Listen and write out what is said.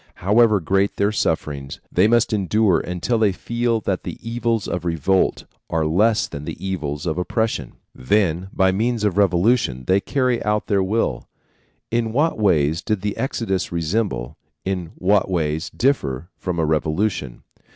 However great their sufferings, they must endure until they feel that the evils of revolt are less than the evils of oppression. Then, by means of a revolution, they carry out their will. In what ways did the Exodus resemble, in what ways differ from a revolution?